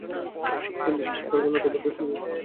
তুমি বিশ্বাস করবে না কতোটা দুঃস্বপ্নের মতো লেগেছে এসব।